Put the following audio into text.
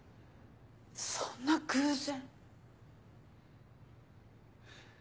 そんな偶然。